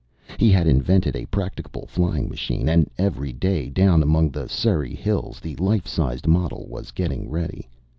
He had invented a practicable flying machine, and every day down among the Surrey hills the life sized model was getting ready.